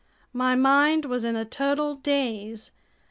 My mind was in a total daze.